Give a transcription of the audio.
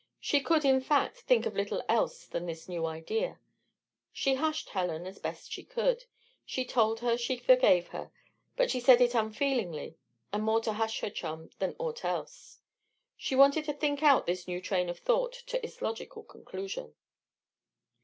She could, in fact, think of little else than this new idea. She hushed Helen as best she could. She told her she forgave her but she said it unfeelingly and more to hush her chum than aught else. She wanted to think out this new train of thought to its logical conclusion.